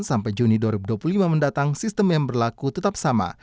sampai juni dua ribu dua puluh lima mendatang sistem yang berlaku tetap sama